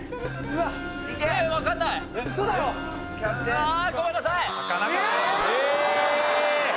うわあごめんなさい！